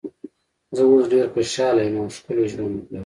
زه اوس ډېره خوشاله یم او ښکلی ژوند لرو.